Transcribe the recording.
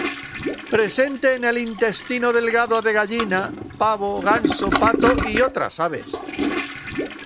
Presente en el intestino delgado de gallina, pavo, ganso, pato y otras aves.